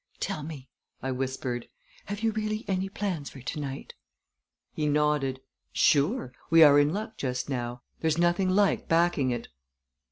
"Tell me," I whispered, "have you really any plans for to night?" He nodded. "Sure! We are in luck just now. There's nothing like backing it."